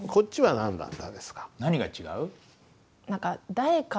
何が違う？